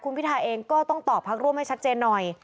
คุณพิทาเองก็ต้องตอบพักร่วมให้ชัดเจนหน่อย